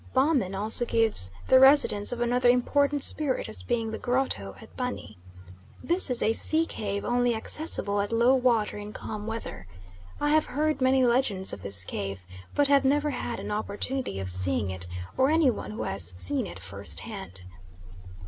Baumann also gives the residence of another important spirit as being the grotto at Banni. This is a sea cave, only accessible at low water in calm weather. I have heard many legends of this cave, but have never had an opportunity of seeing it, or any one who has seen it first hand.